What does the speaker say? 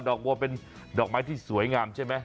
บัวเป็นดอกไม้ที่สวยงามใช่ไหม